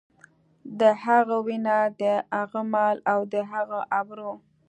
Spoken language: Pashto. د هغه وينه، د هغه مال او د هغه ابرو.